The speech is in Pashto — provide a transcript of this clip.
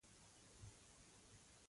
تنور د اختر د ډوډۍ چمتو کوونکی دی